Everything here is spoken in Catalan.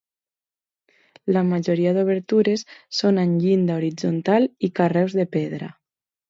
La majoria d'obertures són amb llinda horitzontal i carreus de pedra.